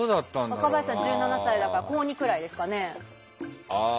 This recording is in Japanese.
若林さん１７歳だから高２くらいですかね。